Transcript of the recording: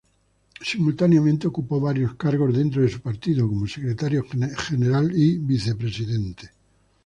Simultáneamente ocupó varios cargos dentro de su partido, como secretario general y vicepresidente.